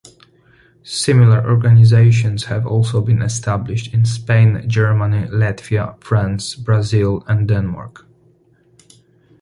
Similar organisations have also been established in Spain, Germany, Latvia, France, Brazil and Denmark.